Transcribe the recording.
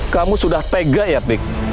kamu sudah tega ya pik